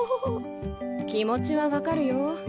気持ちは分かるよ。